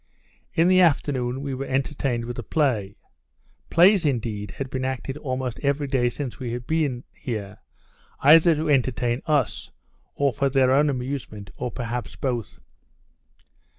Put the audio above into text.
In the afternoon we were entertained with a play. Plays, indeed, had been acted almost every day since we had been here, either to entertain us, or for their own amusement, or perhaps both.